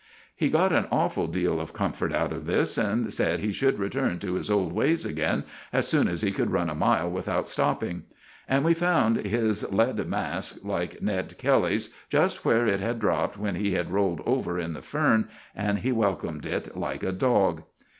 He got an awful deal of comfort out of this, and said he should return to his old ways again as soon as he could run a mile without stopping. And we found his lead mask, like Ned Kelly's, just where it had dropped when he had rolled over in the fern, and he welcomed it like a dog.